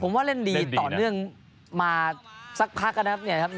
ผมว่าเล่นดีต่อเนื่องมาสักพักนะครับเนี่ยครับ